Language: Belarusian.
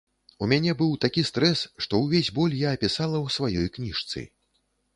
У мяне быў такі стрэс, што ўвесь боль я апісала ў сваёй кніжцы.